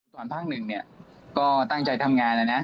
ส่วนภาคหนึ่งก็ตั้งใจทำงานนะ